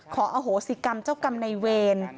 ขออโหสิกรรมเจ้ากรรมในเวร